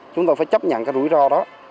chúng tôi phải chấp nhận cái rủi ro đó